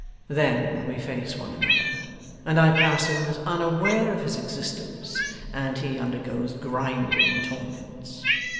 Then we face one another, and I pass him as unaware of his existence, and he undergoes grinding torments.